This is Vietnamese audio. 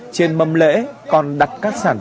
trên mâm lễ còn đặt các sản phẩm